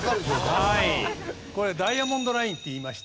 これダイヤモンドラインっていいまして。